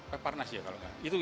peparnas ya kalau nggak